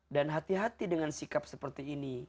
dan hati hati dengan sikap seperti ini